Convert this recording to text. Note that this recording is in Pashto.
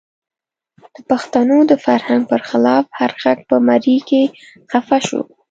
د پښتنو د فرهنګ پر خلاف هر غږ په مرۍ کې خفه شو.